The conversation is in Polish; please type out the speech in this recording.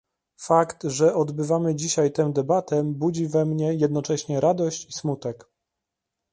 Fakt, że odbywamy dzisiaj tę debatę budzi we mnie jednocześnie radość i smutek